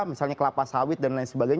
misalnya kelapa sawit dan lain sebagainya